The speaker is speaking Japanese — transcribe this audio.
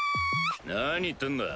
何言ってんだ。